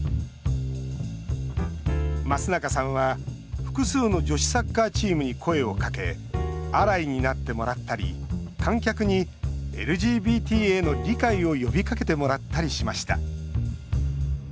松中さんは複数の女子サッカーチームに声をかけアライになってもらったり観客に、ＬＧＢＴへの理解を呼びかけてもらったりしました。